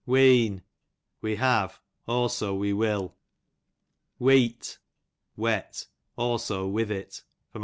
Ween, we have ; also we will. Weet, wet ; also with it. A.